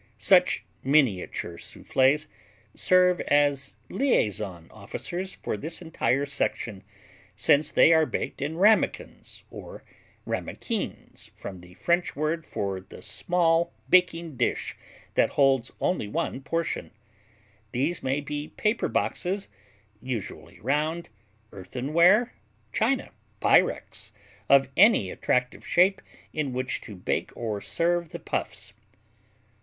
Such miniature Soufflés serve as liaison officers for this entire section, since they are baked in ramekins, or ramequins, from the French word for the small baking dish that holds only one portion. These may be paper boxes, usually round, earthenware, china, Pyrex, of any attractive shape in which to bake or serve the Puffs.